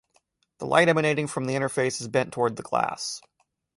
The light emanating from the interface is bent towards the glass.